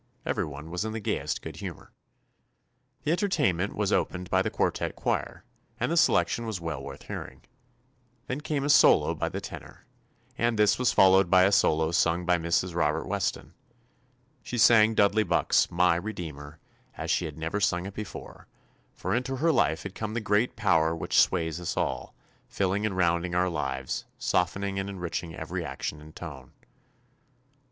Everyone was in the gayest good humor. The entertainment was opened by the quartette choir, and the selection was well worth hearing. Then came a solo by the tenor, and this was fol 205 THE ADVENTURES OF lowed by a solo sung by Mrs. Robert Weston. She sang Dudley Buck's "My Redeemer" as she had never sung it before, for into her life had come the great power which sways us all, filling and rounding our lives, softening and enriching every action and tone.